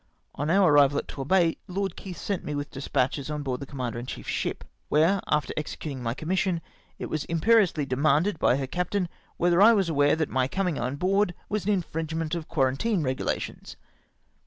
«7 On our arrival at Torbay, Lord Keitli sent mc with despatches on board the commander in chief's ship, where, after executing my commission, it was imperi ously demanded by her captain whether I was aware that my coming on board was an infringement of quarantine regulations